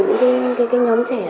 những cái nhóm trẻ